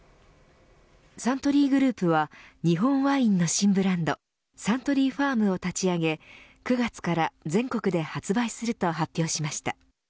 サントリーグループは日本ワインの新ブランドサントリーファームを立ち上げ９月から全国で発売すると発表しました。